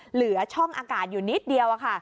เหลือช่องอากาศอยู่นิดเดียวค่ะ